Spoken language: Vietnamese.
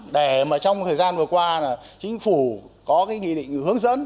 để mà trong thời gian vừa qua là chính phủ có cái nghị định hướng dẫn